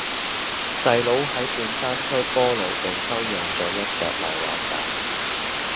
細佬喺半山區波老道收養左一隻流浪狗